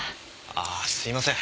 ああすいません。